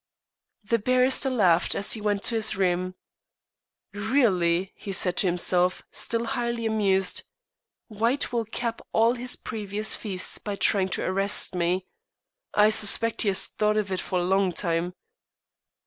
The barrister laughed as he went to his room. "Really," he said to himself, still highly amused, "White will cap all his previous feats by trying to arrest me. I suspect he has thought of it for a long time."